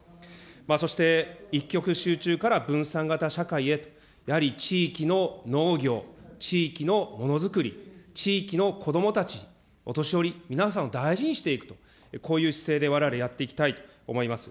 そして一極集中から分散型社会へと、やはり地域の農業、地域のものづくり、地域の子どもたち、お年寄り、皆さんを大事にしていくと、こういう姿勢でわれわれやっていきたいと思います。